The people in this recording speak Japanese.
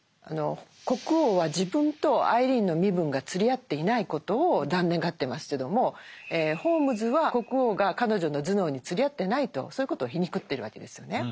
国王は自分とアイリーンの身分が釣り合っていないことを残念がってますけどもホームズは国王が彼女の頭脳に釣り合ってないとそういうことを皮肉ってるわけですよね。